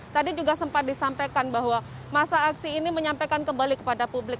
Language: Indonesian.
tadi juga sempat disampaikan bahwa masa aksi ini menyampaikan kembali kepada publik